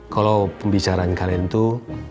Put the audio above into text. kalo pembicaraan kalian tuh